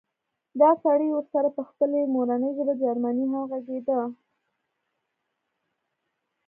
دا سړی ورسره په خپله مورنۍ ژبه جرمني هم غږېده